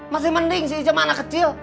masih mending si ic mana kecil